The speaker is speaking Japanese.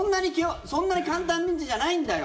そんなに簡単じゃないんだよ！